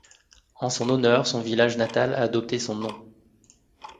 En son honneur son village natal a adopté son nom.